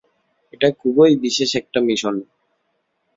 এটা খুবই বিশেষ একটা মিশন।